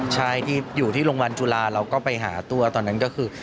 ใช่ที่อยู่ที่โรงพยาบาลจุฬาเราก็ไปหาตัวตอนนั้นก็คือ